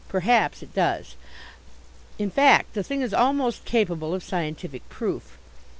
Perhaps it does. In fact the thing is almost capable of scientific proof.